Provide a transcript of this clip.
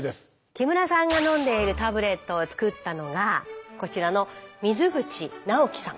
木村さんが飲んでいるタブレットを作ったのがこちらの水口直樹さん。